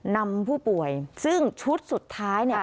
นำผู้ป่วยซึ่งชุดสุดท้ายเนี่ย